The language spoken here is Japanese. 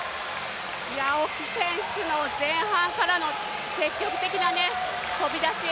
青木選手の前半からの積極的な飛び出し。